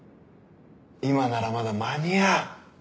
今ならまだ間に合う。